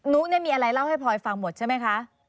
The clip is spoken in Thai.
ุมีอะไรเล่าให้พลอยฟังหมดใช่ไหมคะ